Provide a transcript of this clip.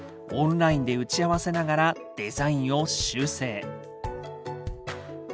オンラインで打ち合わせながらデザインを修正。